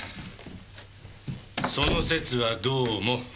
その節はどうも。